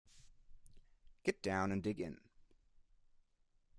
Get down and dig in.